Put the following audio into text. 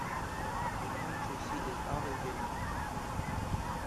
The county seat is Allegan.